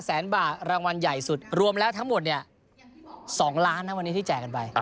แสนบาทรางวัลใหญ่สุดรวมแล้วทั้งหมดเนี่ย๒ล้านนะวันนี้ที่แจกกันไป